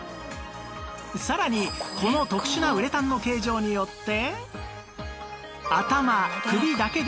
さらにこの特殊なウレタンの形状によって